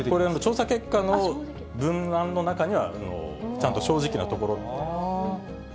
これは調査結果の文らんの中にはちゃんと正直なところって。